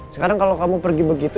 sekarang kalau kamu pergi begitu